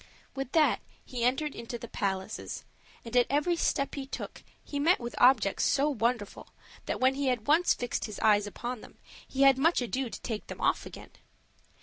With that he entered into the palaces and at every step he took he met with objects so wonderful that when he had once fixed his eyes upon them he had much ado to take them off again.